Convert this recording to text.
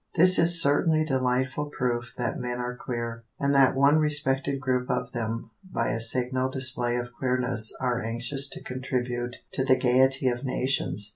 This is certainly delightful proof that men are queer, and that one respected group of them by a signal display of queerness are anxious to contribute to the gayety of nations.